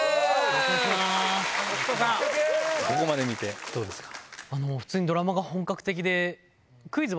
ここまで見てどうですか？